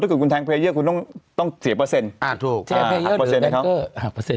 ถ้าเกิดคุณใ้แทงแพรยเล่าต้องเสียเปอร์เซ็นต์ใช่ประเทศเหรอครับอ่าครับ